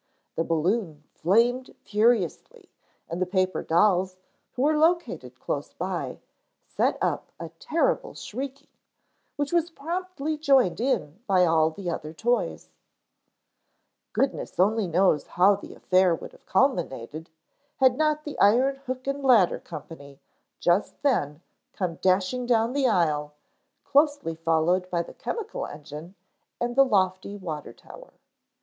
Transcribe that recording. The balloon flamed furiously and the paper dolls, who were located close by, set up a terrible shrieking, which was promptly joined in by all the other toys. Goodness only knows how the affair would have culminated, had not the iron hook and ladder company just then come dashing down the aisle, closely followed by the chemical engine and the lofty water tower.